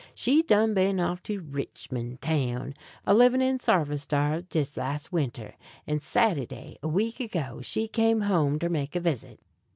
She done been off to Richmun town, a livin' in sarvice dar dis las' winter, and Saturday a week ago she camed home ter make a visit.